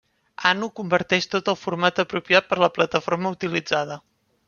Ant ho converteix tot al format apropiat per a la plataforma utilitzada.